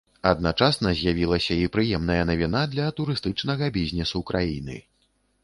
Адначасна з'явілася і прыемная навіна для турыстычнага бізнесу краіны.